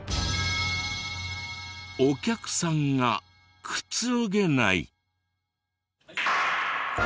お客さんがくつろげない。